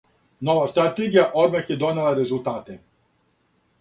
Нова стратегија одмах је донела резултате.